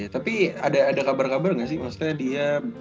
tapi ada kabar kabar nggak sih maksudnya dia